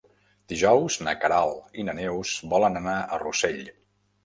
Dijous na Queralt i na Neus volen anar a Rossell.